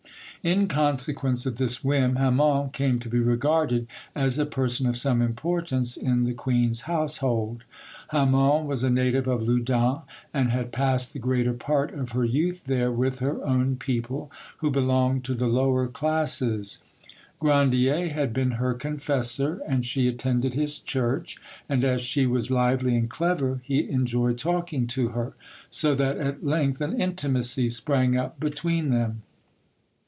In consequence of this whim, Hammon came to be regarded as a person of some importance in the queen's household. Hammon was a native of Loudun, and had passed the greater part of her youth there with her own people, who belonged to the lower classes. Grandier had been her confessor, and she attended his church, and as she was lively and clever he enjoyed talking to her, so that at length an intimacy sprang up between them.